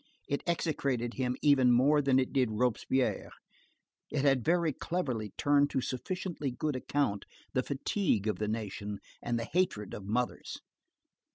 It execrated him even more than it did Robespierre. It had very cleverly turned to sufficiently good account the fatigue of the nation, and the hatred of mothers.